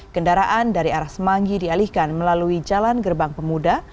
kendaraan dari arah semanggi dialihkan melalui jalan gerbang pemuda